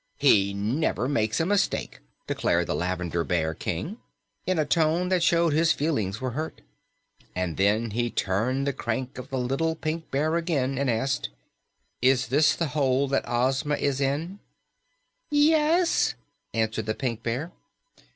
"He never makes a mistake," declared the Lavender Bear King in a tone that showed his feelings were hurt. And then he turned the crank of the little Pink Bear again and asked, "Is this the hole that Ozma of Oz is in?" "Yes," answered the Pink Bear.